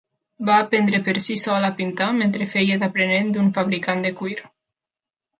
Va aprendre per si sol a pintar mentre feia d'aprenent d'un fabricant de cuir.